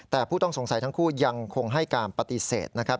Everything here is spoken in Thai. แต่ผู้ต้องสงสัยทั้งคู่ยังคงให้การปฏิเสธนะครับ